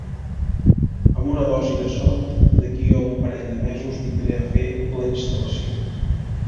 Amb una dosi de sort, d'aquí a un parell de mesos vindré a fer la instal·lació.